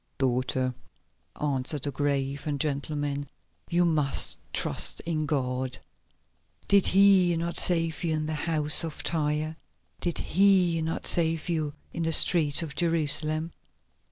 "Daughter," answered the grave and gentle man, "you must trust in God. Did He not save you in the house at Tyre? Did He not save you in the streets of Jerusalem?